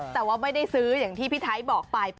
แต่ว่าไม่ได้ซื้ออย่างที่พี่ไทยบอกไป